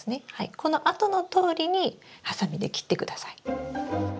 この跡のとおりにハサミで切ってください。